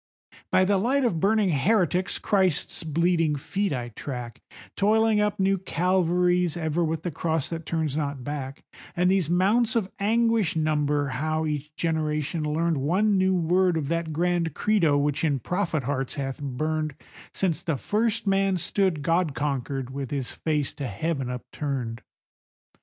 By the light of burning heretics Christ's bleeding feet I track, Toiling up new Calvaries ever with the cross that turns not back, And these mounts of anguish number how each generation learned One new word of that grand Credo which in prophet hearts hath burned Since the first man stood God conquered with his face to heaven upturned.